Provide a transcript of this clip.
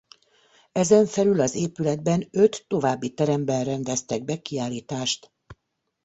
Ezen felül az épületben öt további teremben rendeztek be kiállítást.